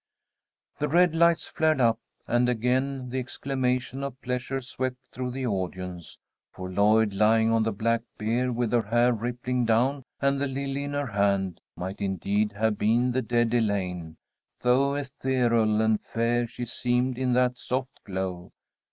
The red lights flared up, and again the exclamation of pleasure swept through the audience, for Lloyd, lying on the black bier with her hair rippling down and the lily in her hand, might indeed have been the dead Elaine, so ethereal and fair she seemed in that soft glow.